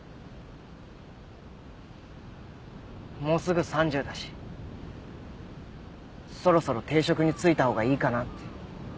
もうすぐ３０だしそろそろ定職に就いた方がいいかなって。